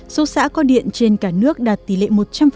số xã có điện trên cả nước đạt tỷ lệ một trăm linh